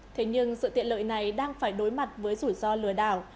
thế nhưng sự tiện lợi này đang phải đối mặt với rủi ro lừa đảo